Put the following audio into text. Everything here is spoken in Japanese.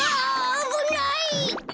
あぶない。